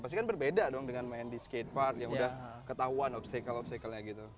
pasti kan berbeda dong dengan main di skatepark yang udah ketahuan obstacle obstacle nya gitu